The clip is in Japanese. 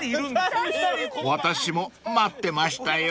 ［私も待ってましたよ］